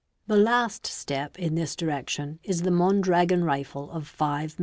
The last step in this direction is the Mondragon rifle of 5 mm.